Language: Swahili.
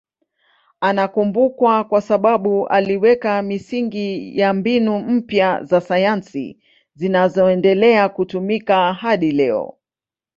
Anakumbukwa kwa sababu aliweka misingi ya mbinu mpya za sayansi zinazoendelea kutumika hadi leo.